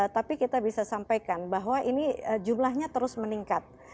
tapi kita bisa sampaikan bahwa ini jumlahnya terus meningkat